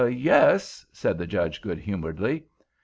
"Yes," said the Judge, good humoredly.